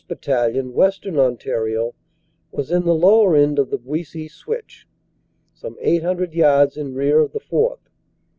Battalion, Western Ontario, was in the lower end of the Buissy Switch, some eight hundred yards in rear of the 4th.